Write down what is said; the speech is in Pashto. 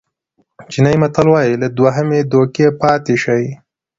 چینایي متل وایي له دوهمې دوکې پاتې شئ.